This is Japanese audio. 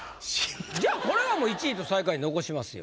じゃあこれはもう１位と最下位残しますよ。